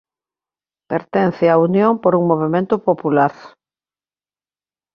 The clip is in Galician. Pertence á Unión por un Movemento Popular.